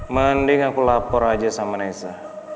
mending aku lapor aja sama nesa